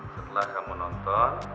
setelah kamu nonton